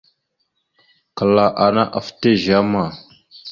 Kəla ana aftá izeama.